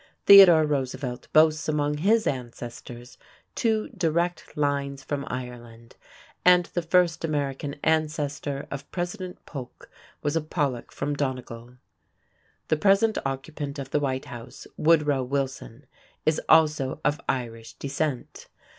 Theodore Roosevelt boasts among his ancestors two direct lines from Ireland, and the first American ancestor of President Polk was a Pollock from Donegal. The present occupant of the White House, Woodrow Wilson, is also of Irish descent.